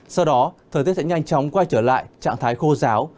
sau đó thời tiết sẽ nhanh chóng quay trở lại trạng thái khô giáo